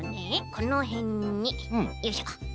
このへんによいしょ。